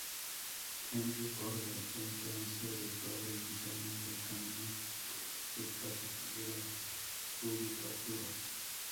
Henri Borde por influencia del padre, inicialmente encaminó sus pasos hacia la judicatura.